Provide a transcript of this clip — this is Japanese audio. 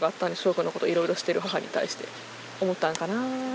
くんのこといろいろしてる母に対して思ったんかなとか。